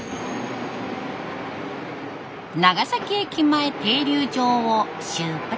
長崎駅前停留場を出発。